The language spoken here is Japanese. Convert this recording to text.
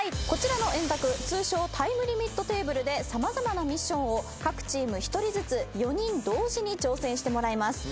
こちらの円卓通称タイムリミットテーブルで様々なミッションを各チーム１人ずつ４人同時に挑戦してもらいます。